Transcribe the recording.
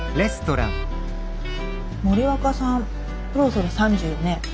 森若さんそろそろ３０よね？